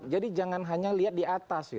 jadi jangan hanya lihat di atas